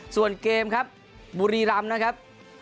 ส่วนเกมครับบุรีรำนะครับ